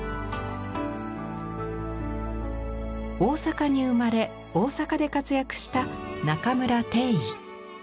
大阪に生まれ大阪で活躍した中村貞以。